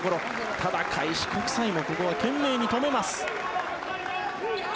ただ、開志国際もここは懸命に止めます。